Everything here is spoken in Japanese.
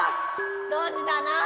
ドジだな！